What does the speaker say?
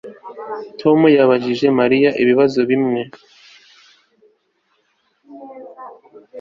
Tom yabajije Mariya ibibazo bimwe